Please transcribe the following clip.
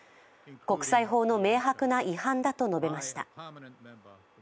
国際法の明白な違反だと述べました。